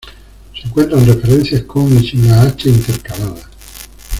Se encuentran referencias con y sin la hache intercalada.